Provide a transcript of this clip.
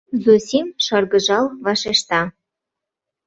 — Зосим шыргыжал вашешта.